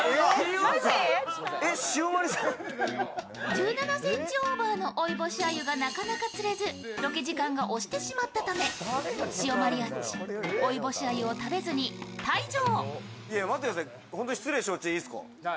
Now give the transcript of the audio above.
１７ｃｍオーバーの追い星鮎がなかなか釣れずロケ時間が押してしまったためシオマリアッチ追い星鮎を食べずに退場。